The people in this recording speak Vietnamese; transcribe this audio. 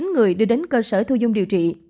năm mươi chín người đưa đến cơ sở thu dung điều trị